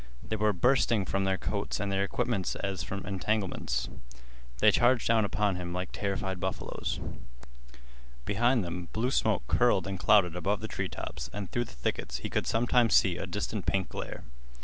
They were bursting from their coats and their equipments as from entanglements. They charged down upon him like terrified buffaloes. Behind them blue smoke curled and clouded above the treetops, and through the thickets he could sometimes see a distant pink glare.